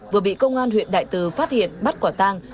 vừa bị công an huyện đại từ phát hiện bắt quả tang